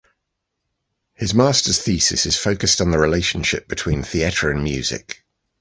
His master’s thesis is focused on the relationship between theatre and music.